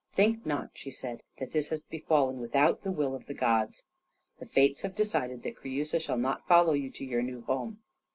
"Think not," she said, "that this has befallen without the will of the gods. The Fates have decided that Creusa shall not follow you to your new home.